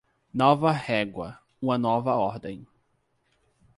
Nova régua, uma nova ordem.